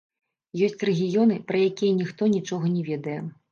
Ёсць рэгіёны, пра якія ніхто нічога не ведае.